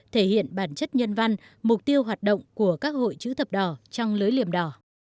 thể hiện bản chất nhân văn mục tiêu hoạt động của các hội chữ thập đỏ trăng lưỡi liềm đỏ